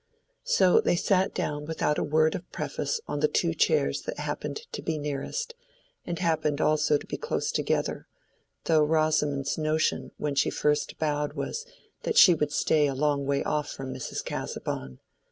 So they sat down without a word of preface on the two chairs that happened to be nearest, and happened also to be close together; though Rosamond's notion when she first bowed was that she should stay a long way off from Mrs. Casaubon.